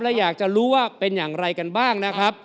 และอยากจะรู้ว่าเป็นอย่างไรกันบ้างนะครับ